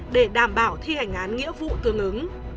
để đảm bảo thi hành án nghĩa vụ tương ứng